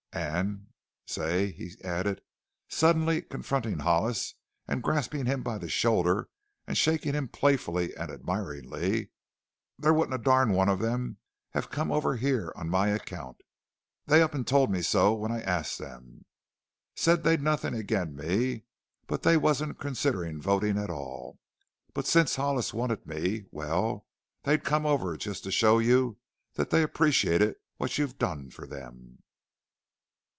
"An', say!" he added, suddenly confronting Hollis and grasping him by the shoulder and shaking him playfully and admiringly, "there wouldn't a durn one of them have come over here on my account. They up an' told me so when I asked them. Said they'd nothin' ag'in me, but they wasn't considerin' votin' at all. But since Hollis wanted me well, they'd come over just to show you that they appreciated what you'd done for them!"